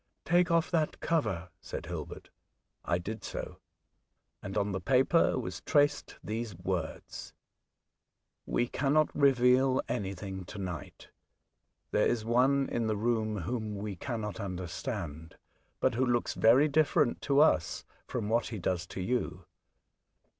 " Take off that cover," said Hilbert. I did so, and on the paper was traced these word :—*' We cannot reveal anything to night. There is one in the room whom we cannot understand, but who looks very different to us from what he Oxford, 33 does to you.